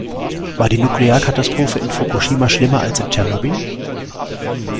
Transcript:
War die Nuklearkatastrophe in Fukushima schlimmer als in Tschernobyl?